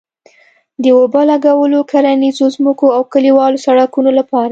د اوبه لګولو، کرنيزو ځمکو او کلیوالو سړکونو لپاره